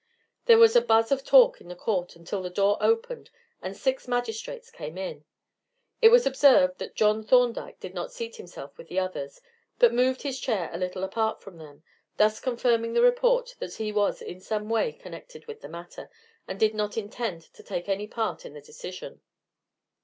There was a buzz of talk in court until the door opened and six magistrates came in. It was observed that John Thorndyke did not seat himself with the others, but moved his chair a little apart from them, thus confirming the report that he was in some way connected with the matter, and did not intend to take any part in the decision.